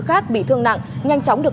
khác bị thương nặng nhanh chóng được